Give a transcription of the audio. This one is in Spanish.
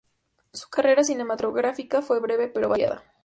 Su carrera cinematográfica fue breve pero variada.